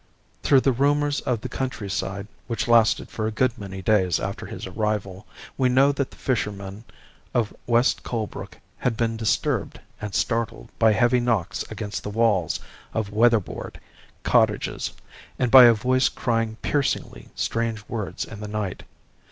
Through the rumours of the country side, which lasted for a good many days after his arrival, we know that the fishermen of West Colebrook had been disturbed and startled by heavy knocks against the walls of weatherboard cottages, and by a voice crying piercingly strange words in the night.